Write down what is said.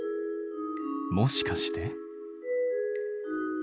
もしかして？